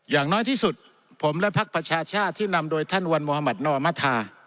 อย่างน้อยที่สุดผมและพักประชาชาติที่นำโดยท่านวันมหมัตินอมธา